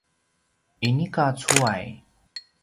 inika cuway